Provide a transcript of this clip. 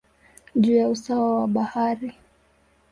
juu ya usawa wa bahari.